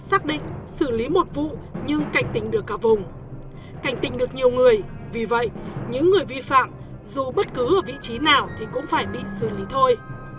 xử lý một vụ nhưng cảnh tình được cả vùng cảnh tình được nhiều người vì vậy những người vi phạm dù bất cứ ở vị trí nào thì cũng phải bị xử lý thôi